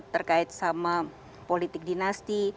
terkait sama politik dinasti